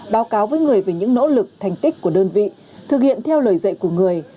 báo cáo với người về những nỗ lực thành tích của đơn vị thực hiện theo lời dạy của người